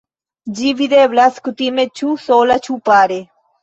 Ĝi videblas kutime ĉu sola ĉu pare.